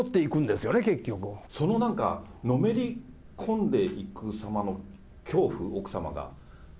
そのなんか、のめり込んでいくさまの恐怖、奥様が。